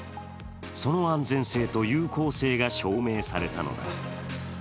その安全性と有効性が証明されたのだ。